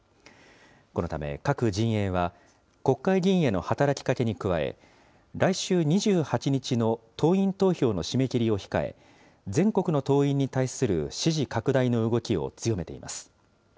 このため、各陣営は、国会議員への働きかけに加え、来週２８日の党員投票の締め切りを控え、全国の党員に対する支持拡大の動きを強めています。